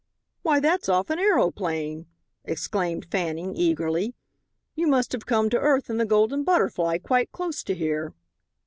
"Why, that's off an aeroplane!" exclaimed Fanning, eagerly; "you must have come to earth in the Golden Butterfly quite close to here."